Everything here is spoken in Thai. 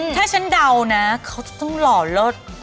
ถ้าฉันเดานะเขาจะต้องหล่อเลิศ